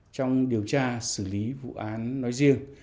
trong điều tra xử lý vụ án nói riêng